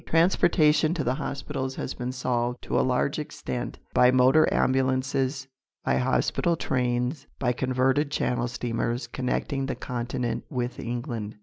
Transportation to the hospitals has been solved, to a large extent, by motor ambulances, by hospital trains, by converted channel steamers connecting the Continent with England.